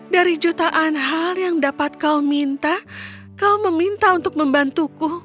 dari jutaan hal yang dapat kau minta kau meminta untuk membantuku